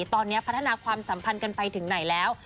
ตอนนี้พัฒนาความสัมพันธ์กันไปถึงไหนแล้ว